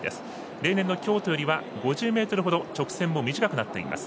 例年の京都よりは５０ｍほど直線も短くなっています。